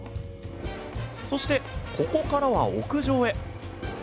そしてここからは屋上へ。